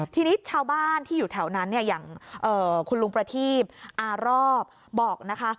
ทีนี้ชาวบ้านที่อยู่แถวนั้นเนี่ยอย่างคุณลุงประทีปอารอบบอกนะคะ